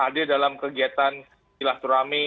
ada dalam kegiatan silah turahmi